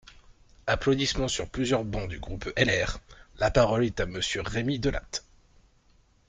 (Applaudissements sur plusieurs bancs du groupe LR.) La parole est à Monsieur Rémi Delatte.